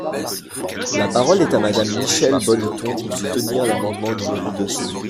La parole est à Madame Michèle Bonneton, pour soutenir l’amendement numéro deux cents.